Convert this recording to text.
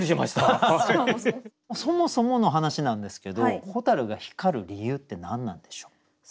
そもそもの話なんですけど蛍が光る理由って何なんでしょう？